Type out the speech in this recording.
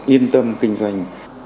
yên tâm kinh doanh